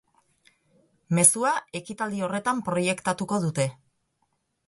Mezua ekitaldi horretan proiektatuko dute.